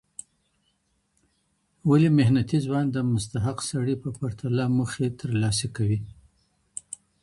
ولي محنتي ځوان د مستحق سړي په پرتله موخي ترلاسه کوي؟